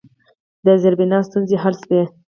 د زیربنا ستونزې حل شوي؟